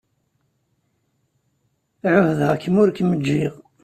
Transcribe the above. Ɛuhdeɣ-kem ur kem-ǧǧiɣ.